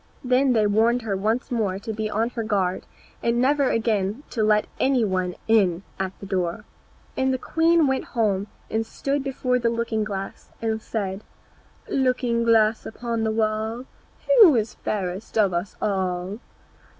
Then they warned her once more to be on her guard, and never again to let any one in at the door. And the queen went home and stood before the looking glass and said, "Looking glass against the wall, Who is fairest of us all?"